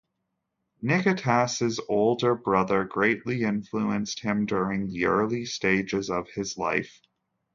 Niketas' older brother greatly influenced him during the early stages of his life.